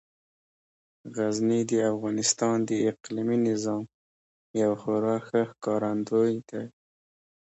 غزني د افغانستان د اقلیمي نظام یو خورا ښه ښکارندوی دی.